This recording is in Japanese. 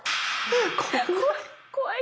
怖い！